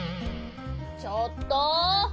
ちょっと。